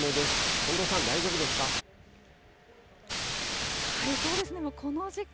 近藤さん、大丈夫ですか？